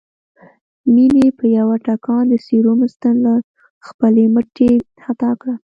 مينې په يوه ټکان د سيروم ستن له خپلې مټې خطا کړه